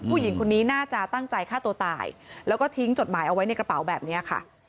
ผู้หญิงคนนี้น่าจะตั้งใจฆ่าตัวตายแล้วก็ทิ้งจดหมายเอาไว้ในกระเป๋าแบบนี้ค่ะ